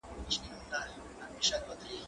زه اوږده وخت سفر کوم!.